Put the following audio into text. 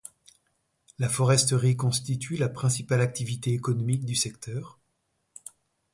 La foresterie constitue la principale activité économique du secteur.